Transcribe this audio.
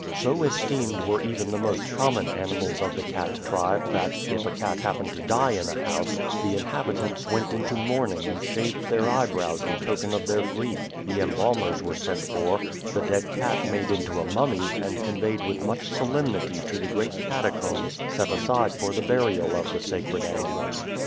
So esteemed were even the most common animals of the cat tribe that, if a cat happened to die in a house, the inhabitants went into mourning and shaved their eyebrows in token of their grief; the embalmers were sent for, the dead cat made into a mummy, and conveyed with much solemnity to the great catacombs set aside for the burial of the sacred animals.